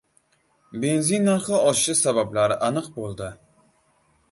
Benzin narxi oshishi sabablari aniq bo‘ldi